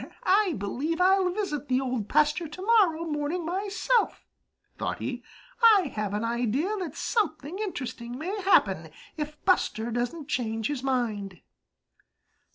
"I believe I'll visit the Old Pasture to morrow morning myself," thought he. "I have an idea that something interesting may happen if Buster doesn't change his mind."